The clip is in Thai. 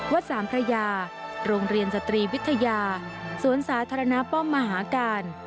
วัดสามพระยาโรงเรียนสะตรีวิทยาสวนศาสนมนักป้อมมหากาล